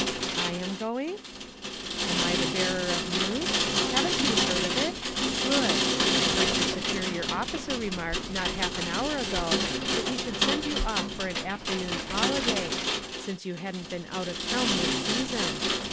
" I am going ?" "Am I the bearer of news? Haven't you heard of it ? Good ! I heard your supe rior officer remark, not half an hour ago, that he should send you off for an after Boon's holiday, since you hadn't been out of town this season.